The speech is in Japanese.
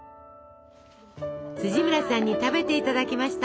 村さんに食べていただきました。